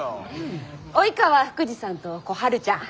及川福治さんと小春ちゃん。